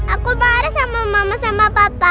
aku bareng sama mama sama papa